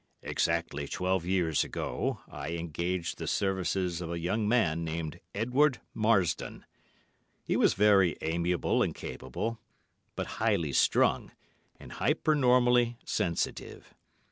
Exactly twelve years ago I engaged the services of a young man called Edward Marsdon. He was very amiable and capable, but highly strung and hypernormally sensitive.